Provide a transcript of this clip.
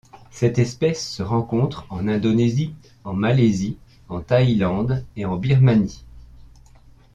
Cette espèce se rencontre en Indonésie, en Malaisie, en Thaïlande et en Birmanie.